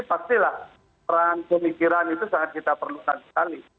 pastilah peran pemikiran itu sangat kita perlukan sekali